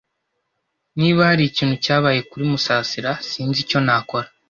Niba hari ikintu cyabaye kuri Musasira, sinzi icyo nakora.